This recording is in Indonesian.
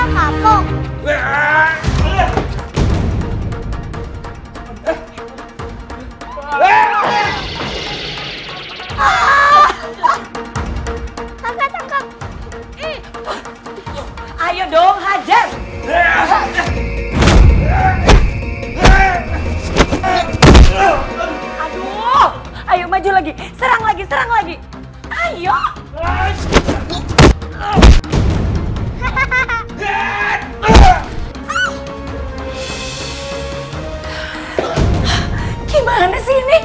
mama mau kemana